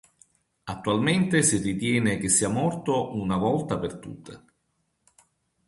Attualmente si ritiene che sia morto una volta per tutte.